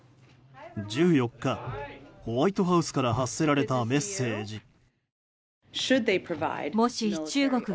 １４日、ホワイトハウスから発せられたメッセージ。